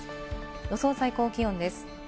予想最高気温です。